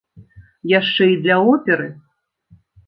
Яшчэ і для оперы!